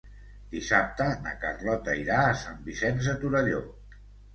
Dissabte na Carlota irà a Sant Vicenç de Torelló.